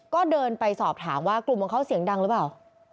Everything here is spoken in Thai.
ก็เดินไปสอบถามว่ากลุ่มของเขาเสียงดังหรือเปล่า